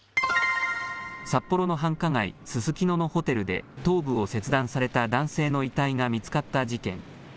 札幌の繁華街、ススキノのホテルで頭部を切断された男性の遺体が見つかった事件。